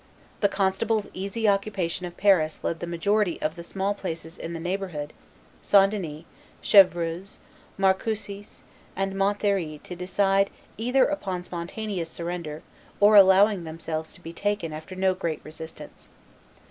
The constable's easy occupation of Paris led the majority of the small places in the neighborhood, St. Denis, Chevreuse, Marcoussis, and Montlhery to decide either upon spontaneous surrender or allowing themselves to be taken after no great resistance.